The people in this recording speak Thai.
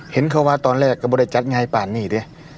เห็นเขาว่าตอนแรกก็ไม่ได้จัดงานปานนี่ดิ